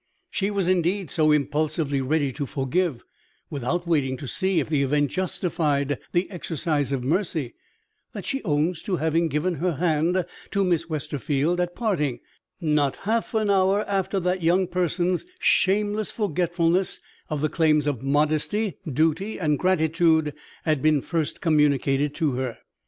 She was indeed so impulsively ready to forgive (without waiting to see if the event justified the exercise of mercy) that she owns to having given her hand to Miss Westerfield, at parting, not half an hour after that young person's shameless forgetfulness of the claims of modesty, duty and gratitude had been first communicated to her.